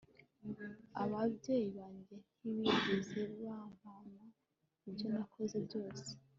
ababyeyi banjye ntibigeze bampana ibyo nakoze byose